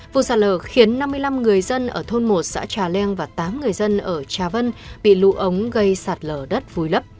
vụ sạt lở khiến năm mươi năm người dân ở thôn một xã trà leng và tám người dân ở trà vân bị lũ ống gây sạt lở đất vùi lấp